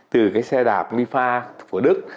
từ cái xe đạp mipha của đức